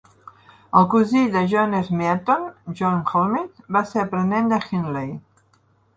El cosí de John Smeaton, John Holmes, va ser aprenent de Hindley.